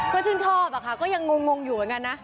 ก็ชื่นชอบอะค่ะก็ยังงงอยู่เหมือนกันนะ